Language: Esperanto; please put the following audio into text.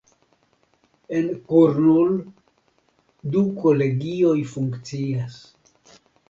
En Kurnul du kolegioj funkcias.